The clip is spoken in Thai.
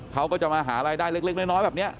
เขาก็จะมาหารายได้เล็กน้อยแบบนี้